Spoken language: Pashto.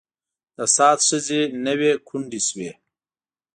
د سعد ښځې نه وې کونډې شوې.